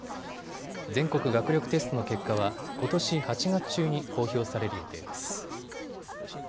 全国学力テストの結果は、ことし８月中に公表される予定です。